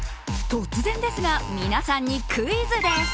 突然ですが皆さんにクイズです。